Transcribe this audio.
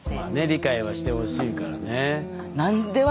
理解はしてほしいからね。